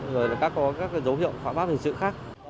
rồi có các dấu hiệu phá bác hình sự khác